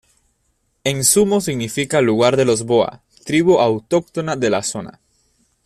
En sumo significa lugar de los boa, tribu autóctona de la zona.